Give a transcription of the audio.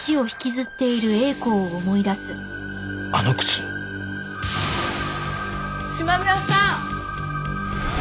あの靴島村さん。